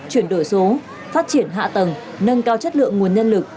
chuyển đổi số phát triển hạ tầng nâng cao chất lượng nguồn nhân lực